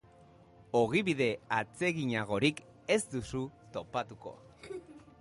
Ogibide atseginagorik ez duzu topatuko.